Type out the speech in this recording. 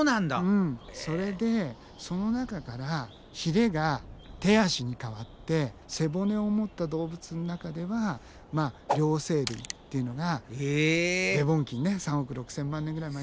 うんそれでその中からヒレが手足に変わって背骨を持った動物の中では両生類っていうのがデボン紀にね３億６，０００万年ぐらい前に。